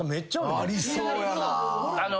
ありそうやな。